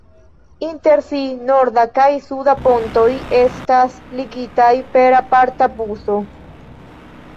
Inter si "norda" kaj "suda pontoj" estas ligitaj per aparta buso.